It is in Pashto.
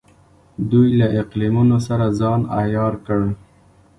دوی له اقلیمونو سره ځان عیار کړ.